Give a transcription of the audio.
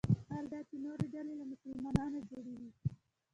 حال دا چې نورې ډلې له مسلمانانو جوړ وي.